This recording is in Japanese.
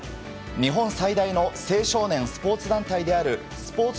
日本最大の青少年スポーツ団体であるスポーツ